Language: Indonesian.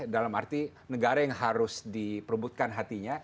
dalam arti negara yang harus diperbutkan hatinya